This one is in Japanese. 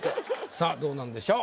さあどうなんでしょう？